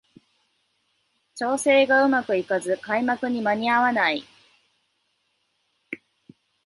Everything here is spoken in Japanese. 調整がうまくいかず開幕に間に合わない